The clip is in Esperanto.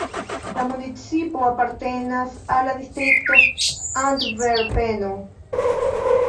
La municipo apartenas al la distrikto "Antverpeno".